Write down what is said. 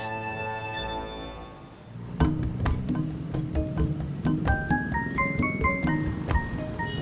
tidur lagi di motor